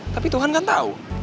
tapi tuhan kan tahu